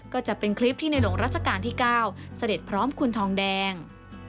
ก็จะเป็นคลิปที่ในหลวงรัชกาลที่๙เสด็จพร้อมคุณทองแดง